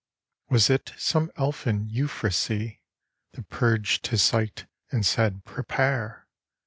Was it some elfin euphrasy That purged his sight and said, "Prepare!